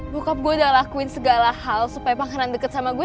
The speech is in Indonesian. muka gue udah lakuin segala hal supaya makanan deket sama gue